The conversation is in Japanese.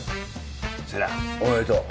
瀬那おめでとう。